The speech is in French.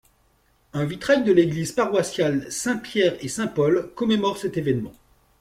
Un vitrail de l'église paroissiale Saint-Pierre-et-Saint-Paul commémore cet événement.